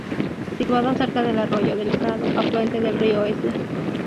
Situado cerca del arroyo del Prado, afluente del Río Esla.